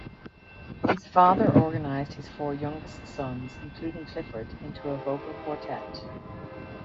His father organized his four youngest sons, including Clifford, into a vocal quartet.